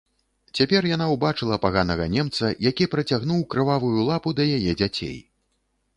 Цяпер яна ўбачыла паганага немца, які працягнуў крывавую лапу да яе дзяцей.